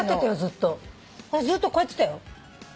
ずっとこうやってたよ。